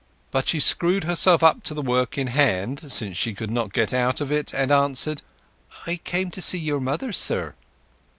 But she screwed herself up to the work in hand, since she could not get out of it, and answered— "I came to see your mother, sir."